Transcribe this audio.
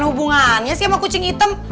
hubungannya sih sama kucing hitam